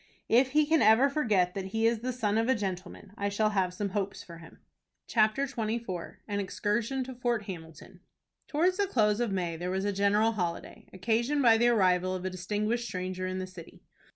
If he can ever forget that he is "the son of a gentleman," I shall have some hopes for him. CHAPTER XXIV. AN EXCURSION TO FORT HAMILTON. Towards the close of May there was a general holiday, occasioned by the arrival of a distinguished stranger in the city.